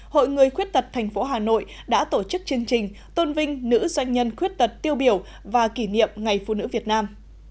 hội người khuyết tật tp hà nội đã tổ chức chương trình tôn vinh nữ doanh nhân khuyết tật tiêu biểu và kỷ niệm ngày phụ nữ việt nam